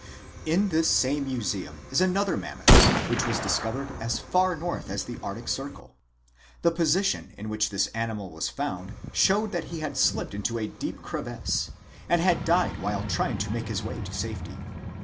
In this same museum is another Mammoth, which was discovered as far north as the Arctic Circle. The position in which this animal was found showed that he had slipped into a deep crevice and had died while trying to make his way to safety.